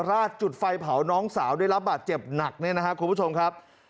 ราดจุดไฟเผาน้องสาวได้รับบาดเจ็บหนักเนี่ยนะครับคุณผู้ชมครับ